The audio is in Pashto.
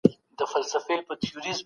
کندهاري سوداګر خپل کاروبار څنګه پرمخ وړي؟